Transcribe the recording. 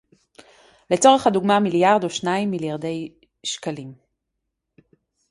לצורך הדוגמה מיליארד או שניים מיליארדי שקלים